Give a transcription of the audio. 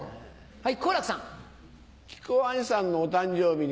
はい。